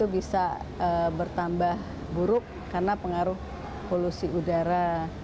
bisa bertambah buruk karena pengaruh polusi udara